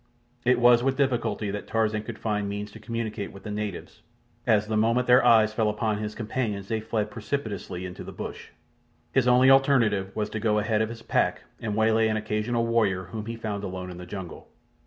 It was with difficulty that Tarzan could find means to communicate with the natives, as the moment their eyes fell upon his companions they fled precipitately into the bush. His only alternative was to go ahead of his pack and waylay an occasional warrior whom he found alone in the jungle.